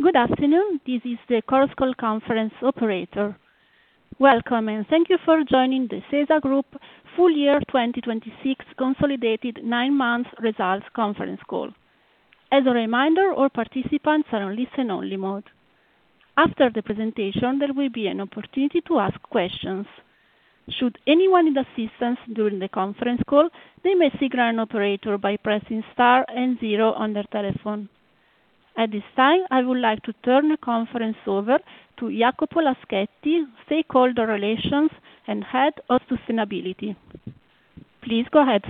Good afternoon. This is the Chorus Call conference operator. Welcome, and thank you for joining the SeSa Group full year 2026 consolidated 9-month results conference call. As a reminder, all participants are on listen-only mode. After the presentation, there will be an opportunity to ask questions. Should anyone need assistance during the conference call, they may signal an operator by pressing star and zero on their telephone. At this time, I would like to turn the conference over to Jacopo Laschetti, Head of Stakeholder Relations and Sustainability. Please go ahead.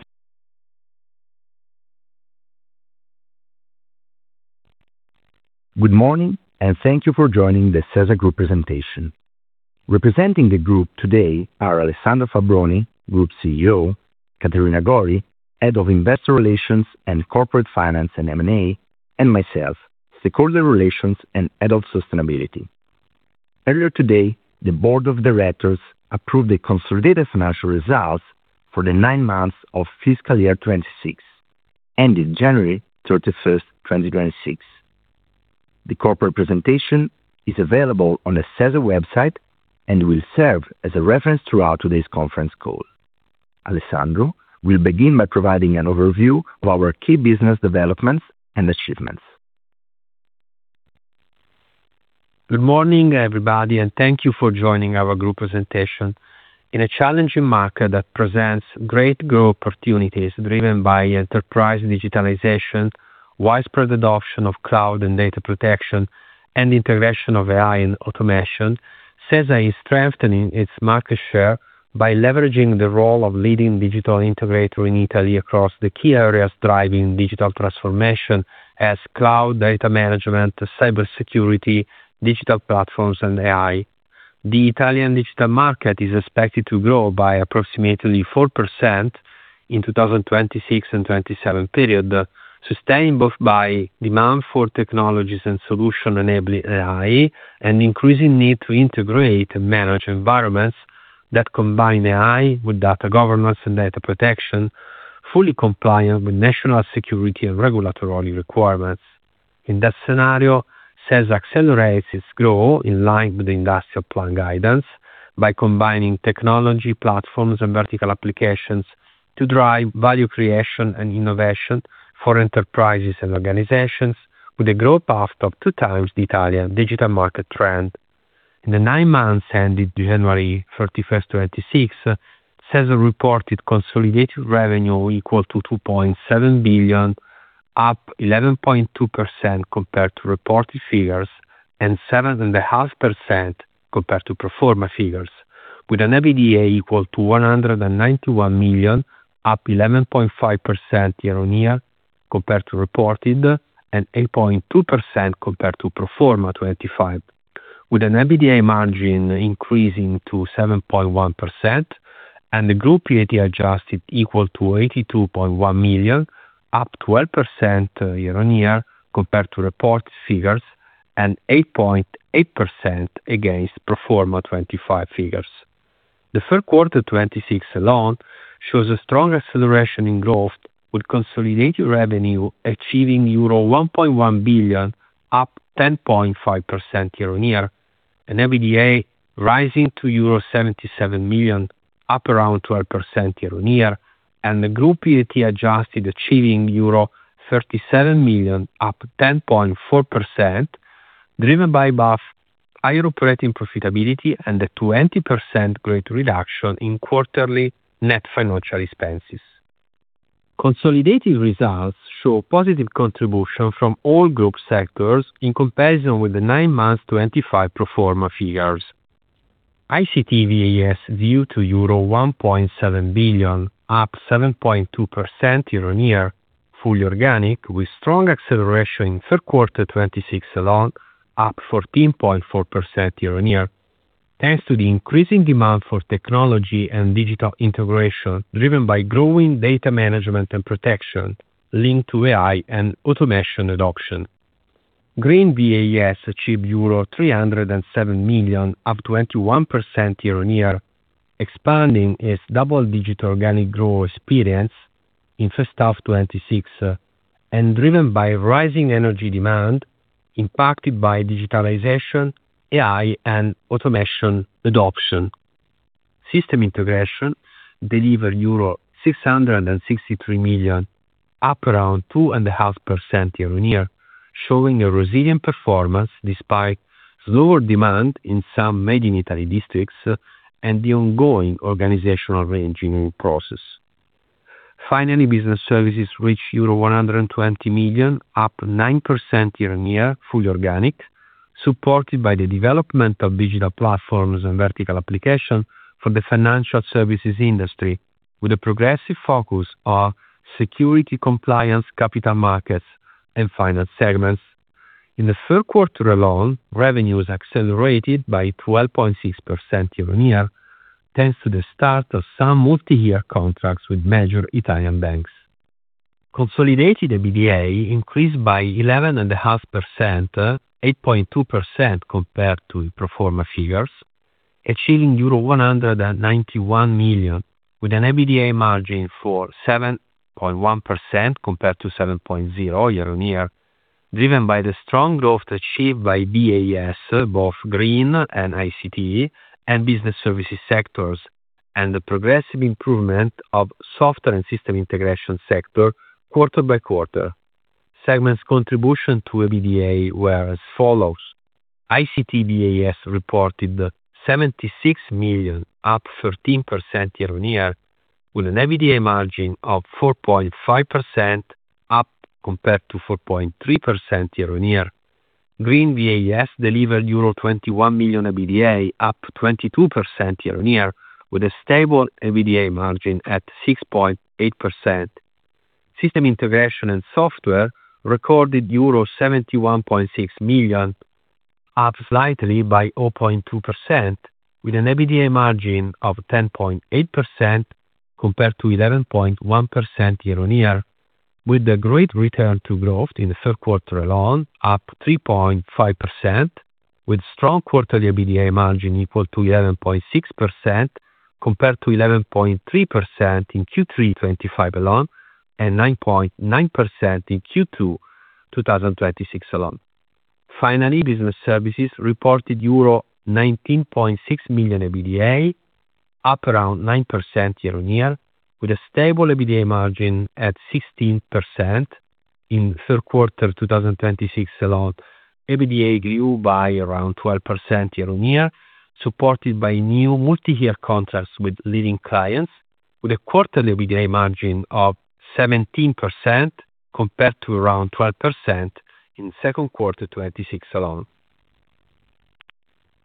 Good morning, and thank you for joining the SeSa Group presentation. Representing the group today are Alessandro Fabbroni, Group CEO, Caterina Gori, Head of Investor Relations and Corporate Finance and M&A, and myself, Stakeholder Relations and Head of Sustainability. Earlier today, the board of directors approved the consolidated financial results for the nine months of fiscal year 2026, ending January 31, 2026. The corporate presentation is available on the SeSa website and will serve as a reference throughout today's conference call. Alessandro will begin by providing an overview of our key business developments and achievements. Good morning, everybody, and thank you for joining our group presentation. In a challenging market that presents great growth opportunities driven by enterprise digitalization, widespread adoption of cloud and data protection, and integration of AI and automation, SeSa is strengthening its market share by leveraging the role of leading digital integrator in Italy across the key areas driving digital transformation as cloud data management, cybersecurity, digital platforms and AI. The Italian digital market is expected to grow by approximately 4% in 2026-2027 period, sustained both by demand for technologies and solutions enabling AI and increasing need to integrate and manage environments that combine AI with data governance and data protection, fully compliant with national security and regulatory requirements. In that scenario, SeSa accelerates its growth in line with the industrial plan guidance by combining technology platforms and vertical applications to drive value creation and innovation for enterprises and organizations with a growth path of 2x the Italian digital market trend. In the nine months ended January 31, 2026, SeSa reported consolidated revenue equal to 2.7 billion, up 11.2% compared to reported figures and 7.5% compared to pro forma figures, with an EBITDA equal to 191 million, up 11.5% year-over-year compared to reported and 8.2% compared to pro forma 2025. With an EBITDA margin increasing to 7.1% and the group EBT adjusted equal to 82.1 million, up 12% year-on-year compared to reported figures and 8.8% against pro forma 2025 figures. The Q3 2026 alone shows a strong acceleration in growth with consolidated revenue achieving euro 1.1 billion, up 10.5% year-on-year, and EBITDA rising to euro 77 million, up around 12% year-on-year, and the group EBT adjusted achieving euro 37 million, up 10.4%, driven by both higher operating profitability and the 20% rate reduction in quarterly net financial expenses. Consolidated results show positive contribution from all group sectors in comparison with the nine months 2025 pro forma figures. ICT VAS due to euro 1.7 billion, up 7.2% year-on-year, fully organic with strong acceleration in Q3 2026 alone, up 14.4% year-on-year, thanks to the increasing demand for technology and digital integration driven by growing data management and protection linked to AI and automation adoption. Green VAS achieved euro 307 million, up 21% year-on-year, expanding its double-digit organic growth experience in first half 2026 and driven by rising energy demand impacted by digitalization, AI, and automation adoption. System integration delivered euro 663 million, up around 2.5% year-on-year, showing a resilient performance despite lower demand in some made in Italy districts and the ongoing organizational reengineering process. Finally, business services reached euro 120 million, up 9% year-on-year, fully organic, supported by the development of digital platforms and vertical application for the financial services industry with a progressive focus on security compliance, capital markets and finance segments. In the Q3 alone, revenues accelerated by 12.6% year-on-year, thanks to the start of some multi-year contracts with major Italian banks. Consolidated EBITDA increased by 11.5%, 8.2% compared to pro forma figures. Achieving euro 191 million, with an EBITDA margin of 7.1% compared to 7.0 year-on-year, driven by the strong growth achieved by VAS, both Green and ICT, and business services sectors, and the progressive improvement of software and system integration sector quarter by quarter. Segments contribution to EBITDA were as follows: ICT VAS reported 76 million, up 13% year-on-year, with an EBITDA margin of 4.5%, up compared to 4.3% year-on-year. Green VAS delivered euro 21 million EBITDA, up 22% year-on-year, with a stable EBITDA margin at 6.8%. System integration and software recorded euro 71.6 million, up slightly by 0.2%, with an EBITDA margin of 10.8% compared to 11.1% year-on-year, with a great return to growth in the Q3 alone, up 3.5%, with strong quarterly EBITDA margin equal to 11.6% compared to 11.3% in Q3 2025 alone and 9.9% in Q2 2026 alone. Finally, business services reported euro 19.6 million EBITDA, up around 9% year-on-year, with a stable EBITDA margin at 16%. In the Q3 2026 alone, EBITDA grew by around 12% year-on-year, supported by new multi-year contracts with leading clients with a quarterly EBITDA margin of 17% compared to around 12% in Q2 2026 alone.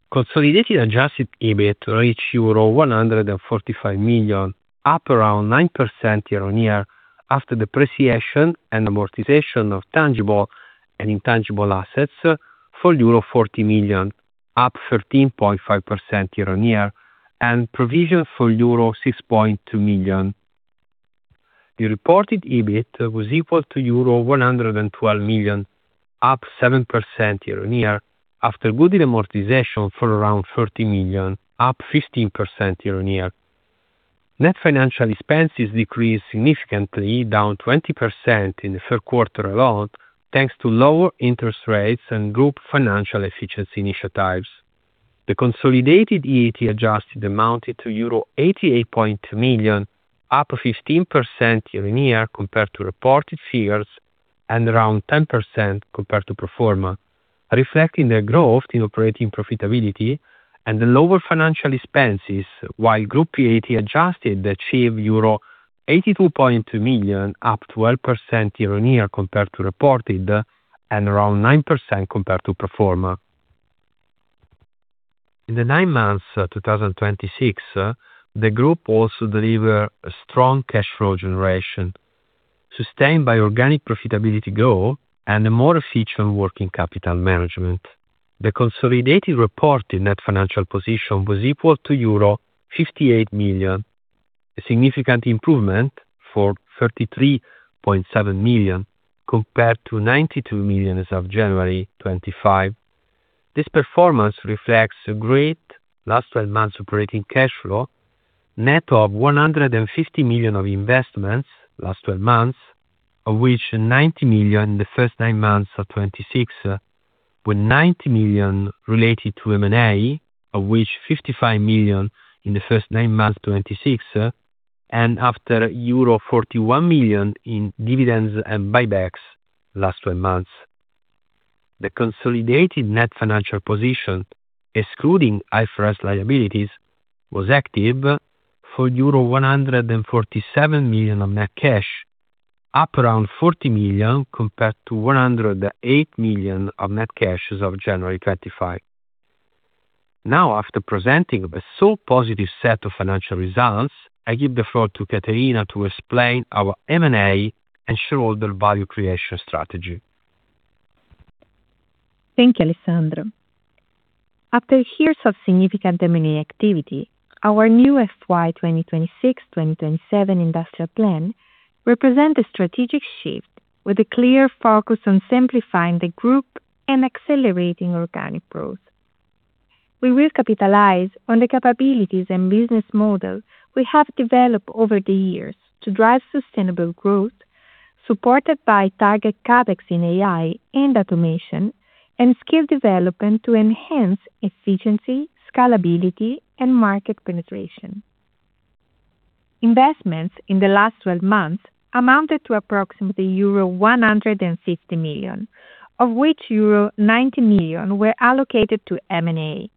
Consolidated adjusted EBIT reached euro 145 million, up around 9% year-on-year, after depreciation and amortization of tangible and intangible assets for euro 40 million, up 13.5% year-on-year, and provision for euro 6.2 million. The reported EBIT was equal to euro 112 million, up 7% year-on-year, after goodwill amortization for around 30 million, up 15% year-on-year. Net financial expenses decreased significantly, down 20% in the Q3 alone, thanks to lower interest rates and group financial efficiency initiatives. The consolidated EAT adjusted amounted to euro 88.2 million, up 15% year-on-year compared to reported figures, and around 10% compared to pro forma, reflecting the growth in operating profitability and the lower financial expenses, while group EAT adjusted achieved euro 82.2 million, up 12% year-on-year compared to reported, and around 9% compared to pro forma. In the nine months 2026, the group also deliver a strong cash flow generation, sustained by organic profitability growth and a more efficient working capital management. The consolidated reported net financial position was equal to euro 58 million, a significant improvement of 33.7 million compared to 92 million as of January 25. This performance reflects a great last twelve months operating cash flow, net of 150 million of investments last twelve months, of which 90 million in the first nine months of 2026, with 90 million related to M&A, of which 55 million in the first nine months 2026, and after euro 41 million in dividends and buybacks last twelve months. The consolidated net financial position, excluding IFRS liabilities, was active for euro 147 million of net cash, up around 40 million compared to 108 million of net cash as of January 2025. Now, after presenting the so positive set of financial results, I give the floor to Caterina to explain our M&A and shareholder value creation strategy. Thank you, Alessandro. After years of significant M&A activity, our new FY 2026/2027 industrial plan represent a strategic shift with a clear focus on simplifying the group and accelerating organic growth. We will capitalize on the capabilities and business model we have developed over the years to drive sustainable growth, supported by target CapEx in AI and automation and skill development to enhance efficiency, scalability, and market penetration. Investments in the last 12 months amounted to approximately euro 150 million, of which euro 90 million were allocated to M&A.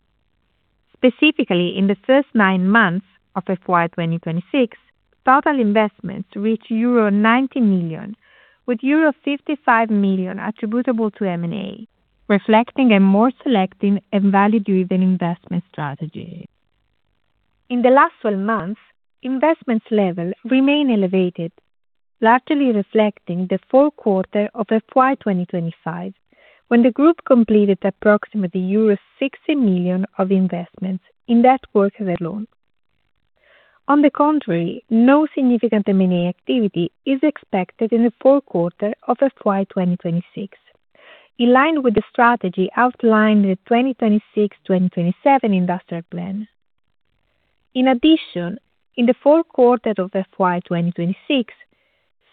Specifically, in the first 9 months of FY 2026, total investments reached euro 90 million, with euro 55 million attributable to M&A, reflecting a more selective and value-driven investment strategy. In the last 12 months, investments level remain elevated, largely reflecting the full quarter of FY 2025, when the group completed approximately euro 60 million of investments in that quarter alone. On the contrary, no significant M&A activity is expected in the Q4 of FY 2026, in line with the strategy outlined in the 2026-2027 Industrial Plan. In addition, in the Q4 of FY 2026,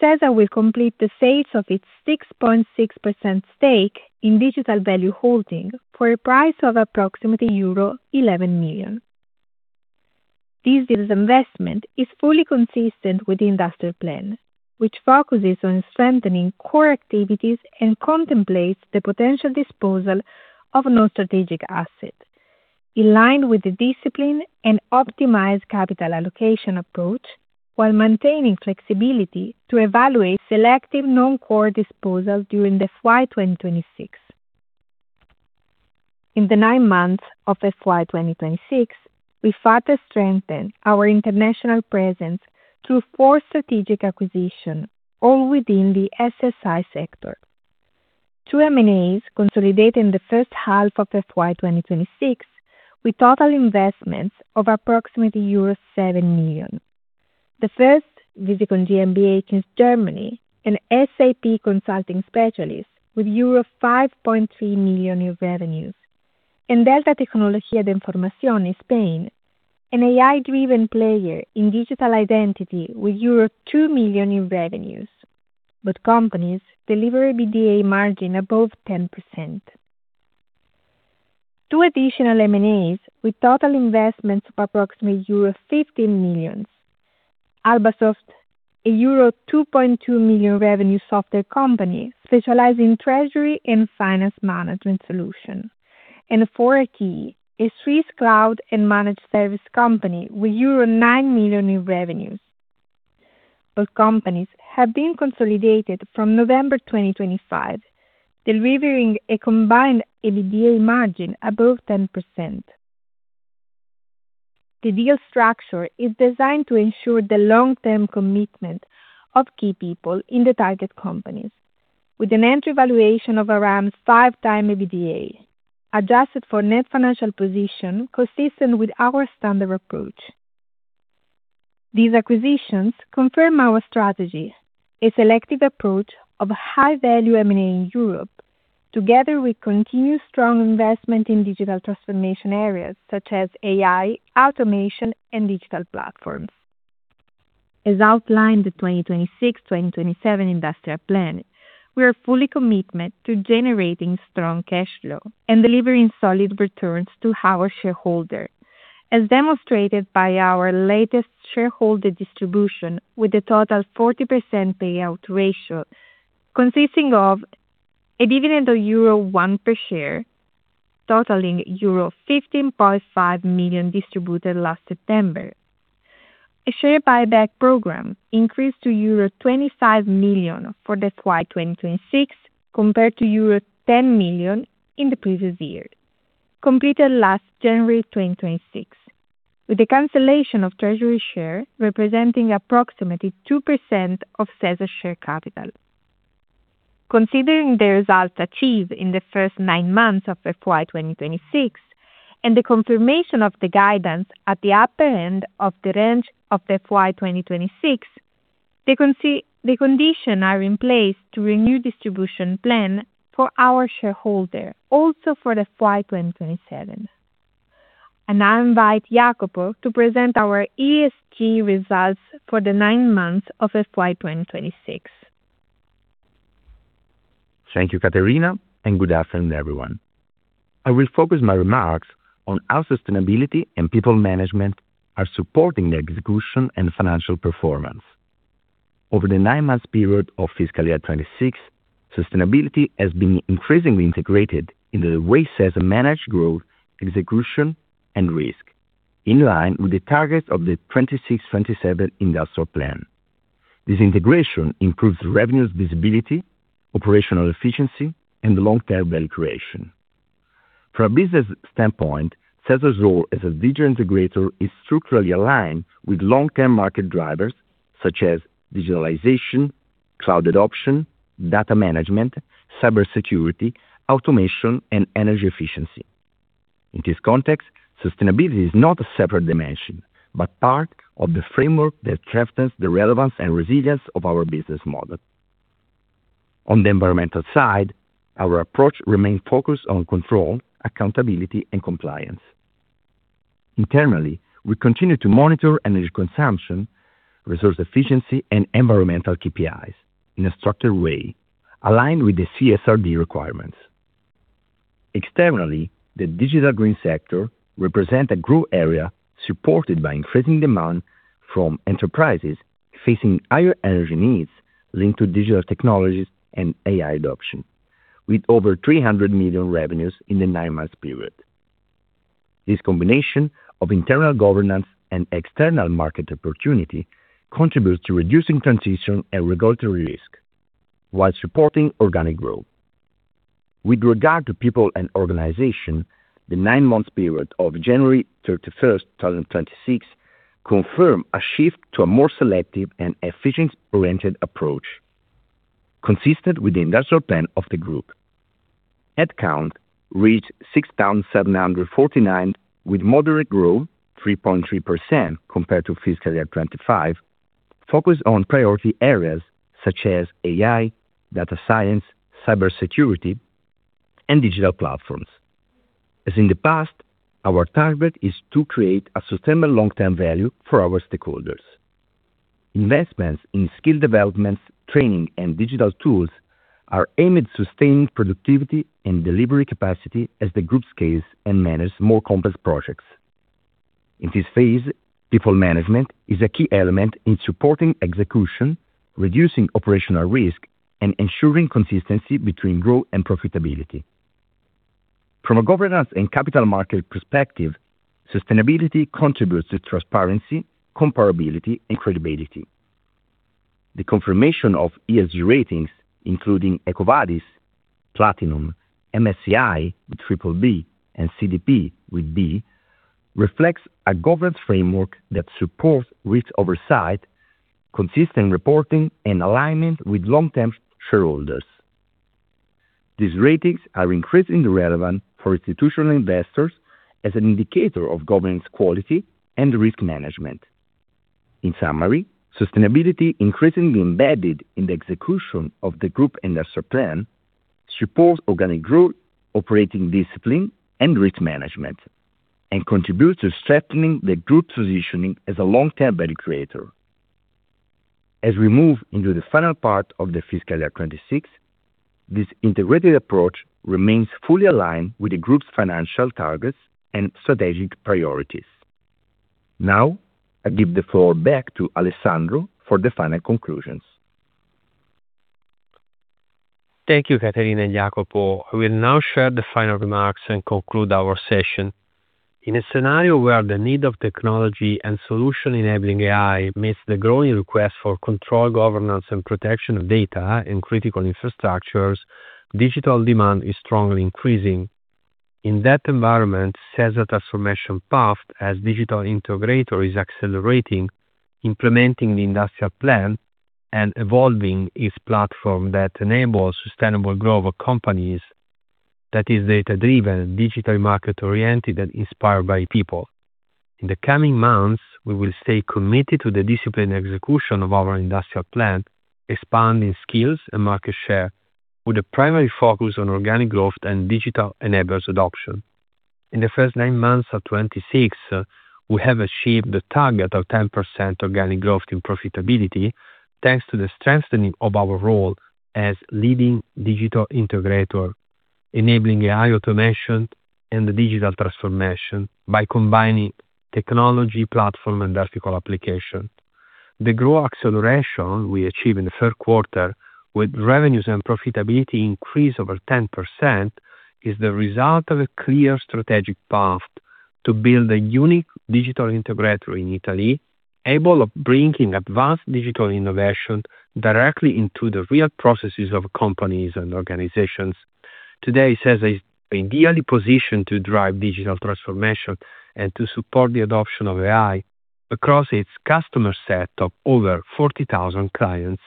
SeSa will complete the sales of its 6.6% stake in Digital Value for a price of approximately euro 11 million. This investment is fully consistent with the Industrial Plan, which focuses on strengthening core activities and contemplates the potential disposal of non-strategic assets in line with the discipline and optimized capital allocation approach, while maintaining flexibility to evaluate selective non-core disposals during the FY 2026. In the nine months of FY 2026, we further strengthened our international presence through four strategic acquisitions, all within the SSI sector. Two M&As consolidated in the first half of FY 2026, with total investments of approximately euro 7 million. The first, Visicon GmbH in Germany, an SAP consulting specialist with euro 5.3 million in revenues. Delta Tecnologías de Información in Spain, an AI-driven player in digital identity with euro 2 million in revenues. Both companies deliver EBITDA margin above 10%. Two additional M&As with total investments of approximately euro 15 million. Albasoft, a euro 2.2 million revenue software company specializing in treasury and finance management solutions. 4IT SAGL, a Swiss cloud and managed service company with euro 9 million in revenues. Both companies have been consolidated from November 2025, delivering a combined EBITDA margin above 10%. The deal structure is designed to ensure the long-term commitment of key people in the target companies, with an entry valuation of around 5x EBITDA, adjusted for net financial position consistent with our standard approach. These acquisitions confirm our strategy, a selective approach of high-value M&A in Europe, together with continued strong investment in digital transformation areas such as AI, automation, and digital platforms. As outlined in the 2026-2027 Industrial Plan, we are fully committed to generating strong cash flow and delivering solid returns to our shareholders, as demonstrated by our latest shareholder distribution with a total 40% payout ratio, consisting of a dividend of euro 1 per share, totaling euro 15.5 million distributed last September. A share buyback program increased to euro 25 million for the FY 2026 compared to euro 10 million in the previous year, completed last January 2026, with the cancellation of treasury shares representing approximately 2% of SeSa share capital. Considering the results achieved in the first nine months of FY 2026 and the confirmation of the guidance at the upper end of the range of the FY 2026, the conditions are in place to renew distribution plan for our shareholders also for the FY 2027. I invite Jacopo to present our ESG results for the nine months of FY 2026. Thank you, Caterina, and good afternoon, everyone. I will focus my remarks on how sustainability and people management are supporting the execution and financial performance. Over the nine-month period of fiscal year 2026, sustainability has been increasingly integrated into the way SeSa manage growth, execution, and risk, in line with the targets of the 2026, 2027 Industrial Plan. This integration improves revenues visibility, operational efficiency, and long-term value creation. From a business standpoint, Sesa's role as a digital integrator is structurally aligned with long-term market drivers such as digitalization, cloud adoption, data management, cybersecurity, automation, and energy efficiency. In this context, sustainability is not a separate dimension, but part of the framework that strengthens the relevance and resilience of our business model. On the environmental side, our approach remains focused on control, accountability, and compliance. Internally, we continue to monitor energy consumption, resource efficiency, and environmental KPIs in a structured way, aligned with the CSRD requirements. Externally, the digital green sector represent a growth area supported by increasing demand from enterprises facing higher energy needs linked to digital technologies and AI adoption, with over 300 million revenues in the nine-month period. This combination of internal governance and external market opportunity contributes to reducing transition and regulatory risk while supporting organic growth. With regard to people and organization, the nine-month period of January 31, 2026 confirmed a shift to a more selective and efficiency-oriented approach. Consistent with the industrial plan of the group. Headcount reached 6,749 with moderate growth, 3.3% compared to fiscal year 2025, focused on priority areas such as AI, data science, cybersecurity, and digital platforms. As in the past, our target is to create a sustainable long-term value for our stakeholders. Investments in skill developments, training, and digital tools are aimed at sustaining productivity and delivery capacity as the group scales and manages more complex projects. In this phase, people management is a key element in supporting execution, reducing operational risk, and ensuring consistency between growth and profitability. From a governance and capital market perspective, sustainability contributes to transparency, comparability, and credibility. The confirmation of ESG ratings, including EcoVadis Platinum, MSCI with triple B, and CDP with B, reflects a governance framework that supports risk oversight, consistent reporting, and alignment with long-term shareholders. These ratings are increasingly relevant for institutional investors as an indicator of governance quality and risk management. In summary, sustainability increasingly embedded in the execution of the group industrial plan supports organic growth, operating discipline, and risk management, and contributes to strengthening the group's positioning as a long-term value creator. As we move into the final part of the fiscal year 2026, this integrated approach remains fully aligned with the group's financial targets and strategic priorities. Now, I give the floor back to Alessandro for the final conclusions. Thank you, Caterina and Jacopo. I will now share the final remarks and conclude our session. In a scenario where the need of technology and solution enabling AI meets the growing request for control, governance, and protection of data in critical infrastructures, digital demand is strongly increasing. In that environment, SeSa transformation path as digital integrator is accelerating, implementing the industrial plan, and evolving its platform that enables sustainable global companies that is data-driven, digitally market-oriented, and inspired by people. In the coming months, we will stay committed to the disciplined execution of our industrial plan, expanding skills and market share with a primary focus on organic growth and digital enablers adoption. In the first nine months of 2026, we have achieved the target of 10% organic growth in profitability, thanks to the strengthening of our role as leading digital integrator, enabling AI automation and digital transformation by combining technology platform and vertical application. The growth acceleration we achieved in the Q3 with revenues and profitability increase over 10% is the result of a clear strategic path to build a unique digital integrator in Italy, capable of bringing advanced digital innovation directly into the real processes of companies and organizations. Today, SeSa is ideally positioned to drive digital transformation and to support the adoption of AI across its customer set of over 40,000 clients.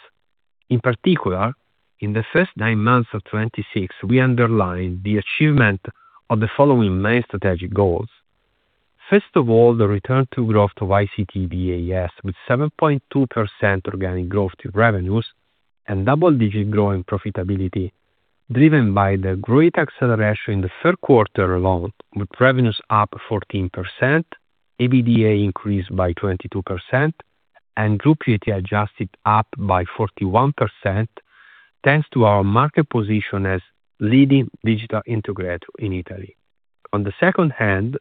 In particular, in the first nine months of 2026, we underlined the achievement of the following main strategic goals. First of all, the return to growth of ICT VAS with 7.2% organic growth in revenues and double-digit growth in profitability, driven by the great acceleration in the Q3 alone, with revenues up 14%, EBITDA increased by 22%, and group EBT adjusted up by 41%, thanks to our market position as leading digital integrator in Italy. On the other hand,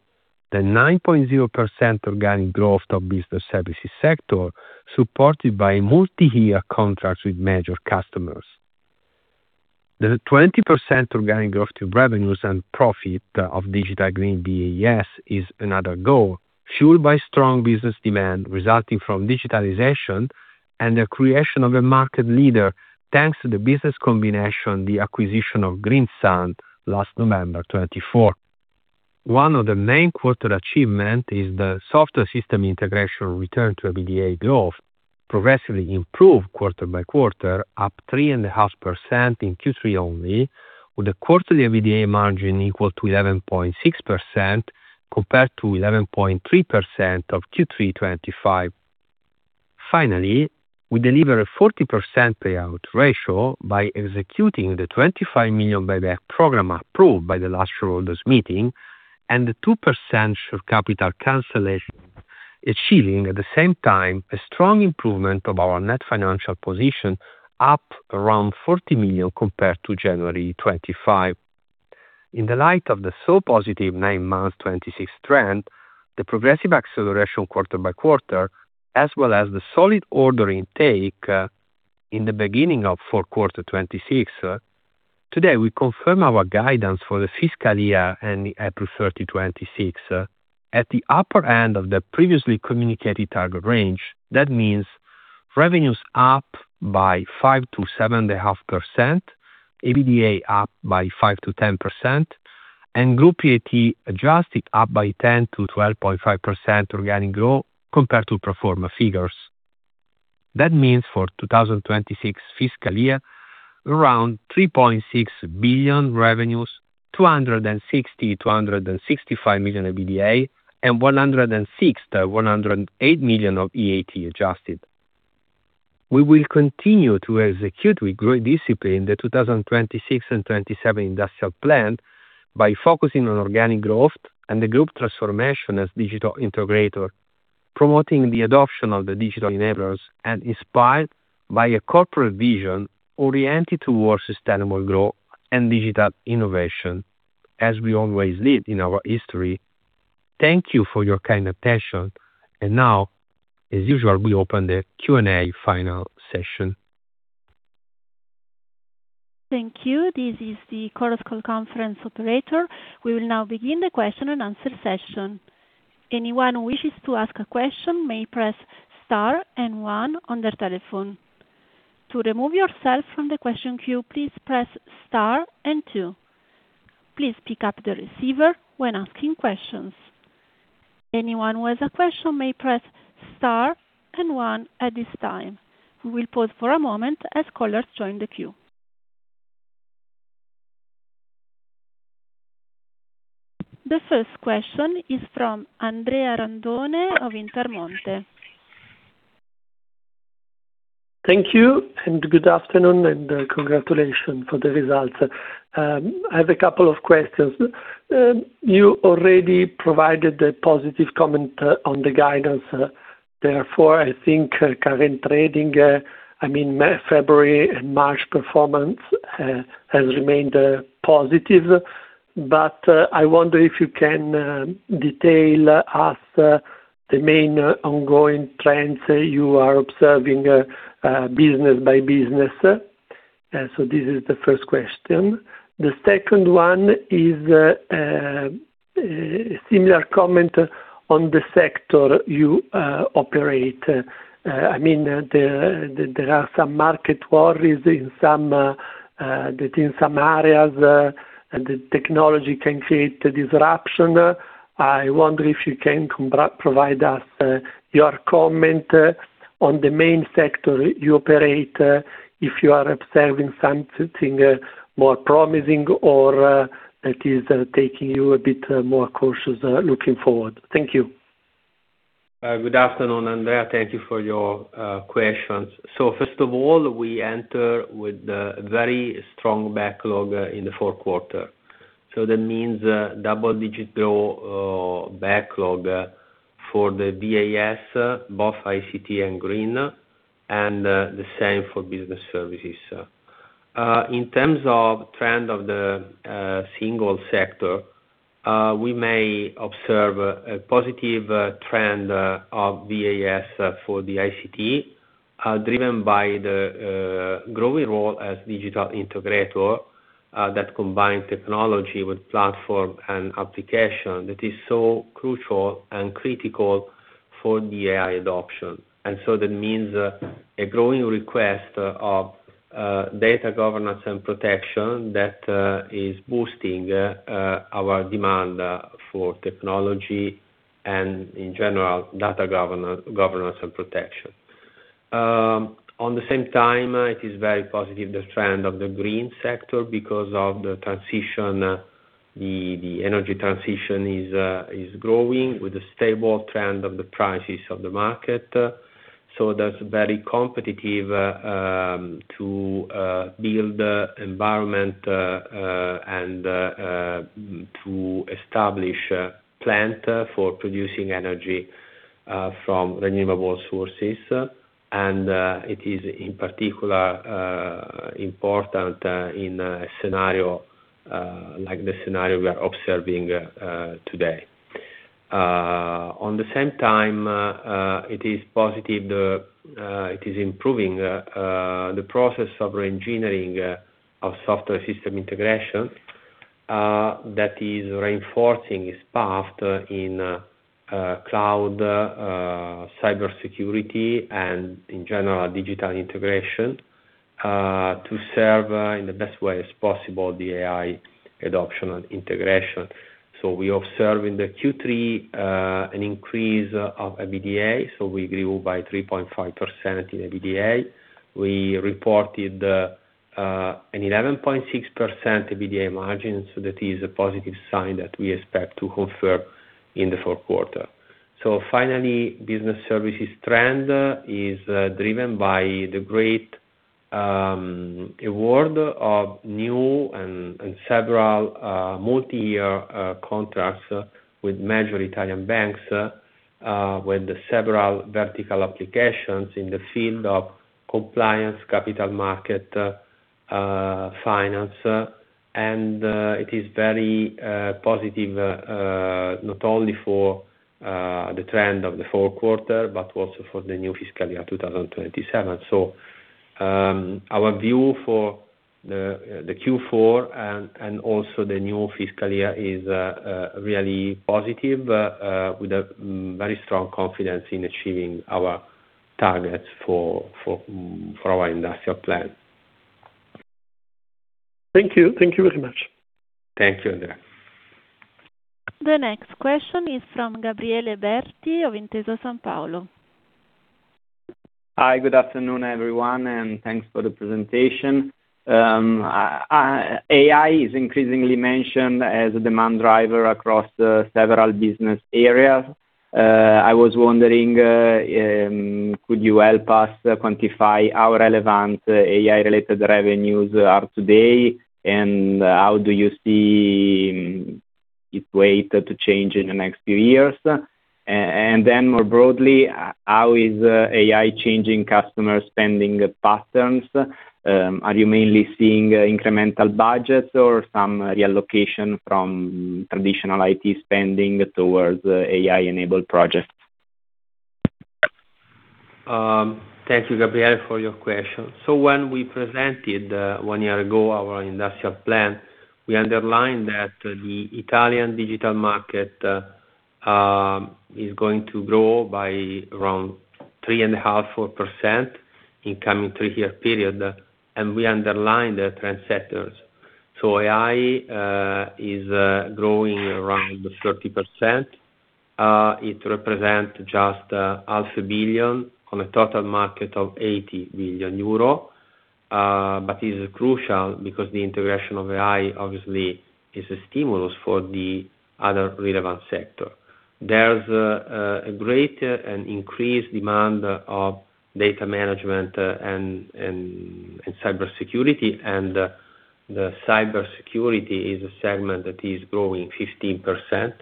the 9.0% organic growth of business services sector, supported by multi-year contracts with major customers. The 20% organic growth in revenues and profit of Digital Green VAS is another goal, fueled by strong business demand resulting from digitalization and the creation of a market leader, thanks to the business combination, the acquisition of Greensand last November 2024. One of the main quarterly achievement is the software system integration return to EBITDA growth, progressively improved quarter by quarter, up 3.5% in Q3 only, with a quarterly EBITDA margin equal to 11.6% compared to 11.3% of Q3 2025. Finally, we deliver a 40% payout ratio by executing the 25 million buyback program approved by the last shareholders meeting and the 2% share capital cancellation, achieving at the same time a strong improvement of our net financial position, up around 40 million compared to January 2025. In light of the so positive nine-month 2026 trend, the progressive acceleration quarter by quarter, as well as the solid order intake, in the beginning of Q4 2026, today we confirm our guidance for the fiscal year ending April 30, 2026, at the upper end of the previously communicated target range. That means revenues up by 5%–7.5%, EBITDA up by 5%–10%. Group EAT adjusted up by 10%–12.5% organic growth compared to pro forma figures. That means for 2026 fiscal year, around 3.6 billion revenues, 260 million–265 million EBITDA, and 106 million–108 million of EAT adjusted. We will continue to execute with great discipline the 2026 and 2027 industrial plan by focusing on organic growth and the group transformation as digital integrator, promoting the adoption of the digital enablers and inspired by a corporate vision oriented towards sustainable growth and digital innovation, as we always lead in our history. Thank you for your kind attention. Now, as usual, we open the Q&A final session. Thank you. This is the Chorus Call conference operator. We will now begin the question and answer session. Anyone who wishes to ask a question may press Star and One on their telephone. To remove yourself from the question queue, please press Star and two. Please pick up the receiver when asking questions. Anyone who has a question may press Star and one at this time. We will pause for a moment as callers join the queue. The first question is from Andrea Randone of Intermonte. Thank you and good afternoon and congratulations for the results. I have a couple of questions. You already provided a positive comment on the guidance. Therefore, I think current trading, I mean, February and March performance, has remained positive. I wonder if you can detail us the main ongoing trends you are observing, business by business. This is the first question. The second one is a similar comment on the sector you operate. I mean, there are some market worries in some areas that the technology can create a disruption. I wonder if you can provide us your comment on the main sector you operate, if you are observing something more promising or that is taking you a bit more cautious looking forward. Thank you. Good afternoon, Andrea. Thank you for your questions. First of all, we enter with a very strong backlog in the Q4. That means double-digit growth backlog for the VAS, both ICT and green, and the same for business services. In terms of trend of the single sector, we may observe a positive trend of VAS for the ICT, driven by the growing role as digital integrator that combines technology with platform and application that is so crucial and critical for the AI adoption. That means a growing request of data governance and protection that is boosting our demand for technology and in general, data governance and protection. At the same time, it is very positive the trend of the green sector because of the transition. The energy transition is growing with a stable trend of the prices of the market. That's very competitive to build the environment and to establish a plant for producing energy from renewable sources. It is in particular important in a scenario like the scenario we are observing today. At the same time, it is positive. It is improving the process of reengineering of software system integration that is reinforcing its path in cloud, cybersecurity, and in general, digital integration to serve in the best way possible the AI adoption and integration. We observe in the Q3 an increase of EBITDA. We grew by 3.5% in EBITDA. We reported an 11.6% EBITDA margin. That is a positive sign that we expect to confirm in the Q4. Finally, business services trend is driven by the great award of new and several multi-year contracts with major Italian banks with the several vertical applications in the field of compliance, capital market, finance. It is very positive not only for the trend of the Q4, but also for the new fiscal year 2027. Our view for the Q4 and also the new fiscal year is really positive with a very strong confidence in achieving our targets for our industrial plan. Thank you. Thank you very much. Thank you, Andrea. The next question is from Gabriele Berti of Intesa Sanpaolo. Hi. Good afternoon, everyone, and thanks for the presentation. AI is increasingly mentioned as a demand driver across several business areas. I was wondering, could you help us quantify how relevant AI-related revenues are today, and how do you see its weight to change in the next few years? More broadly, how is AI changing customer spending patterns? Are you mainly seeing incremental budgets or some reallocation from traditional IT spending towards AI-enabled projects? Thank you, Gabriele, for your question. When we presented one year ago our industrial plan, we underlined that the Italian digital market is going to grow by around 3.5%–4% in coming three-year period, and we underlined the trend sectors. AI is growing around 30%. It represents just EUR half a billion on a total market of 80 billion euro, but is crucial because the integration of AI obviously is a stimulus for the other relevant sector. There's a great and increased demand for data management and cybersecurity, and the cybersecurity is a segment that is growing 15%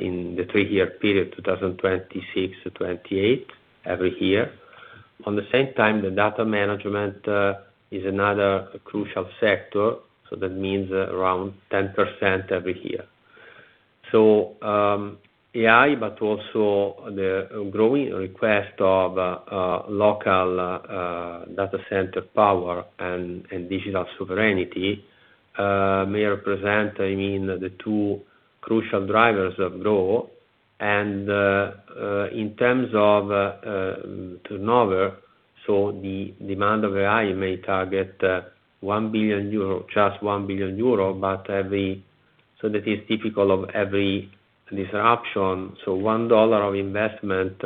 in the three-year period, 2026 to 2028, every year. At the same time, the data management is another crucial sector, so that means around 10% every year. AI, but also the growing request of local data center power and digital sovereignty may represent, I mean, the two crucial drivers of growth. In terms of turnover, the demand of AI may target 1 billion euro, just 1 billion euro. That is typical of every disruption. One dollar of investment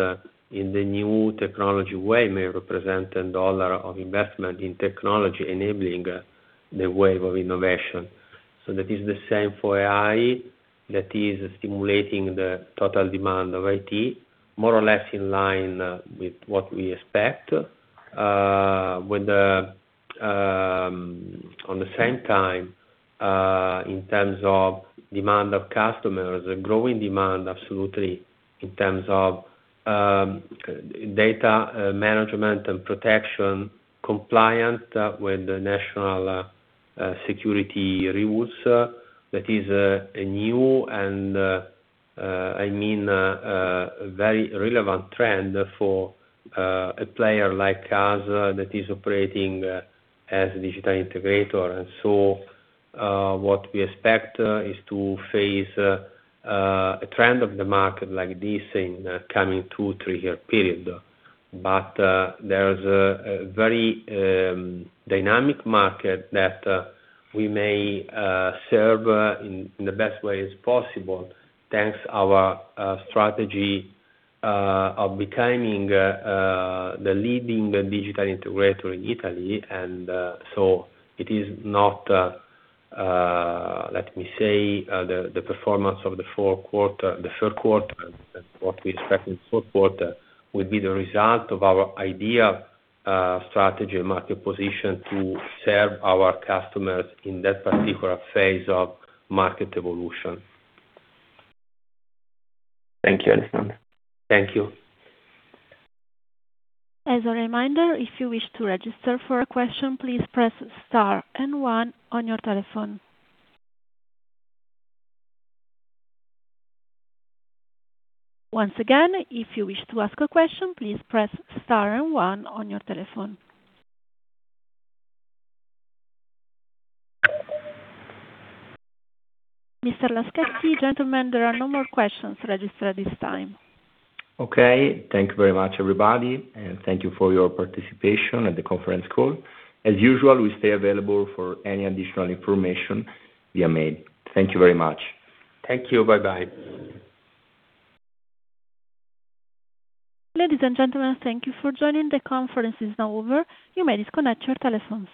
in the new technology wave may represent ten dollars of investment in technology enabling the wave of innovation. That is the same for AI that is stimulating the total demand of IT, more or less in line with what we expect, at the same time, in terms of demand of customers, a growing demand absolutely in terms of data management and protection compliant with the national security rules. That is a new and, I mean, very relevant trend for a player like us that is operating as a digital integrator. What we expect is to face a trend of the market like this in the coming 2-3-year period. There's a very dynamic market that we may serve in the best way as possible, thanks to our strategy of becoming the leading digital integrator in Italy. It is not, let me say, the performance of the Q4, the Q3, and what we expect in the Q4, will be the result of our strategy and market position to serve our customers in that particular phase of market evolution. Thank you, Alessandro. Thank you. As a reminder, if you wish to register for a question, please press * and one on your telephone. Once again, if you wish to ask a question, please press * and one on your telephone. Mr. Laschetti, gentlemen, there are no more questions registered at this time. Okay. Thank you very much, everybody, and thank you for your participation at the conference call. As usual, we stay available for any additional information via mail. Thank you very much. Thank you. Bye-bye. Ladies and gentlemen, thank you for joining. The conference is now over. You may disconnect your telephones.